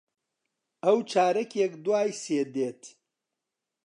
ئەو چارەکێک دوای سێ دێت.